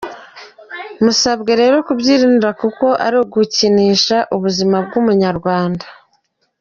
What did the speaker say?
Musabwe rero kubyirinda kuko ni ugukinisha ubuzima bw’Umunyarwanda”.